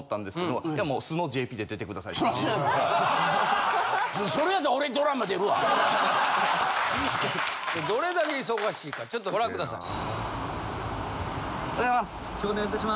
どれだけ忙しいかちょっとご覧ください。